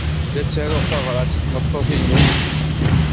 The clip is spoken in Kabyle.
La ttaruɣ tabṛat i tmeṭṭut-inu.